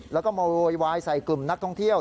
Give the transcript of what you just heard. แล้วก็มาโวยวายใส่กลุ่มนักท่องเที่ยว